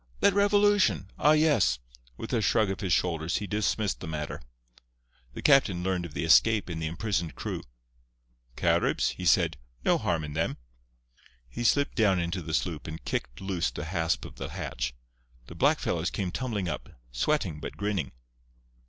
"That revolution—ah, yes!" With a shrug of his shoulders he dismissed the matter. The captain learned of the escape and the imprisoned crew. "Caribs?" he said; "no harm in them." He slipped down into the sloop and kicked loose the hasp of the hatch. The black fellows came tumbling up, sweating but grinning.